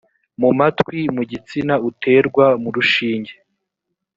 mu matwi mu gitsina uterwa mu rushinge